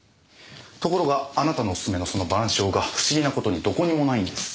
ところがあなたのお薦めのその『晩鐘』が不思議なことにどこにもないんです。